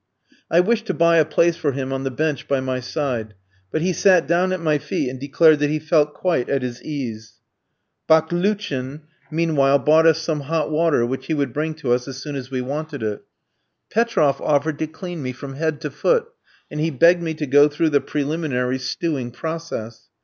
I wished to buy a place for him on the bench by my side; but he sat down at my feet and declared that he felt quite at his ease. Baklouchin meanwhile bought us some hot water which he would bring to us as soon as we wanted it. Petroff offered to clean me from head to foot, and he begged me to go through the preliminary stewing process.